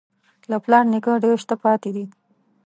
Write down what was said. له پلار نیکه ډېر شته پاتې دي.